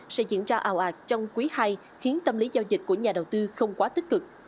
sẽ diễn ra ào ạt trong quý ii khiến tâm lý giao dịch của nhà đầu tư không quá tích cực